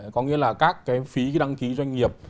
có nghĩa là các cái phí khi đăng ký doanh nghiệp